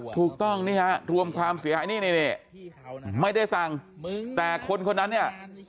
ถูกต้องนี่ฮะรวมความเสียหายนี่ไม่ได้สั่งแต่คนคนนั้นเนี่ย